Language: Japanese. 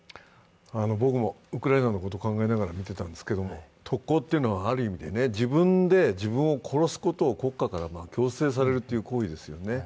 僕もウクライナのことを考えながら見ていたんですけれども、特攻というのは、ある意味で自分でら自分を殺すことを国家から強制されるという行為ですよね。